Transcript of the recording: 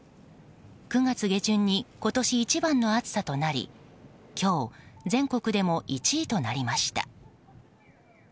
９月下旬に今年一番の暑さとなり今日、全国でも１位となりました。